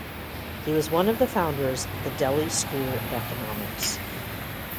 He was one of the founders of the Delhi School of Economics.